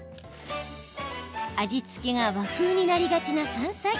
味付けが和風になりがちな山菜。